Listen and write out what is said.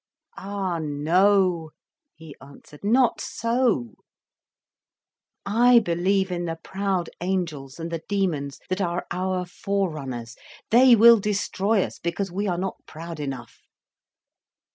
"Ah no," he answered, "not so. I believe in the proud angels and the demons that are our fore runners. They will destroy us, because we are not proud enough.